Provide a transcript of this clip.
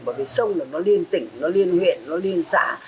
bởi vì sông là nó liên tỉnh nó liên huyện nó liên xã